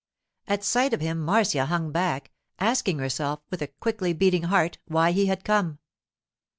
At sight of him Marcia hung back, asking herself, with a quickly beating heart, why he had come.